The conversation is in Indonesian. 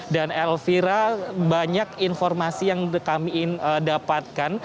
dan elvira banyak informasi yang kami dapatkan